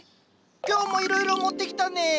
今日もいろいろ持ってきたね。